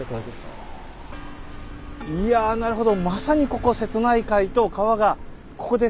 いやなるほど。